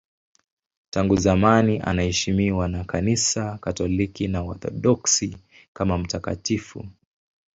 Tangu zamani anaheshimiwa na Kanisa Katoliki na Waorthodoksi kama mtakatifu.